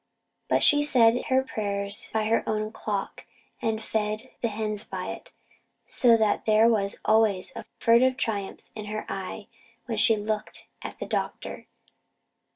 But she said her prayers by her own clock, and fed the hens by it; so that there was always a furtive triumph in her eye when she looked at the doctor.